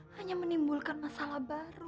hanya menimbulkan masalah baru